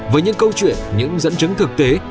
với những câu chuyện những dẫn chứng thực tế